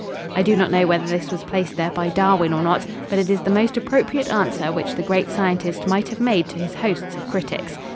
I do not know whether this was placed there by Darwin or not, but it is the most appropriate answer which the great scientist might have made to his hosts of critics.